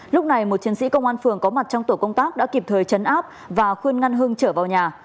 lúc này một chiến sĩ công an phường có mặt trong tổ công tác đã kịp thời chấn áp và khuyên ngăn hưng trở vào nhà